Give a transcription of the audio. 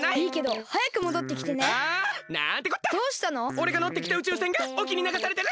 おれがのってきた宇宙船がおきにながされてる！